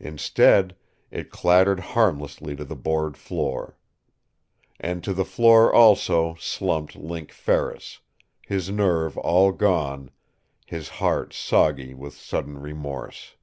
Instead, it clattered harmlessly to the board floor. And to the floor also slumped Link Ferris, his nerve all gone, his heart soggy with sudden remorse.